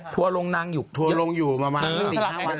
ตะลงนางอยู่ตะลงอยู่มากมายินหาวัน